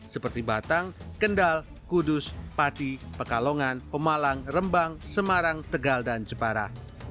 seperti batang kendal kudus pati pekalongan pemalang rembang semarang tegal dan jepara